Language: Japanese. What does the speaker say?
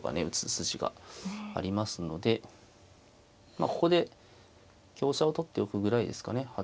打つ筋がありますのでここで香車を取っておくぐらいですかね。